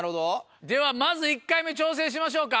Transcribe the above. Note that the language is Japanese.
ではまず１回目挑戦しましょうか。